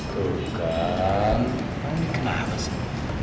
tuh kan kamu ini kenapa sih